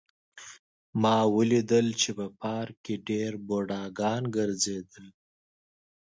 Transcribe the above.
ما ولیدل چې په پارک کې ډېر بوډاګان ګرځېدل